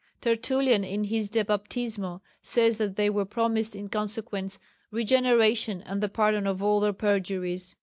Tertullian in his De Baptismo says that they were promised in consequence "regeneration and the pardon of all their perjuries."